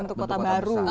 bentuk kota baru